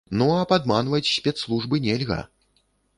Ну, а падманваць спецслужбы нельга!